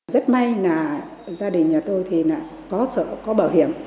rất may là gia đình nhà tôi thì có sở có bảo hiểm